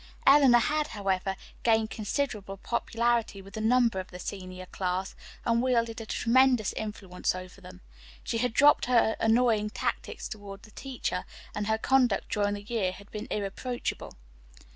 Eleanor had, however, gained considerable popularity with a number of the senior class, and wielded a tremendous influence over them. She had dropped her annoying tactics toward the teachers, and her conduct during the year had been irreproachable.